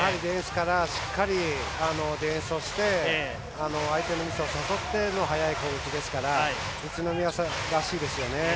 しっかりディフェンスをして相手のミスを誘っての速い攻撃ですから宇都宮らしいですよね。